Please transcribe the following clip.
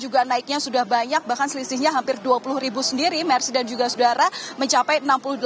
baiknya sudah banyak bahkan selisihnya hampir dua puluh sendiri mercy dan juga sudara mencapai enam puluh delapan sembilan ratus tiga puluh sembilan